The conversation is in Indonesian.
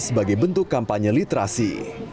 sebagai bentuk kampanye literasi